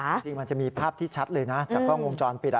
จริงมันจะมีภาพที่ชัดเลยนะจากกล้องวงจรปิด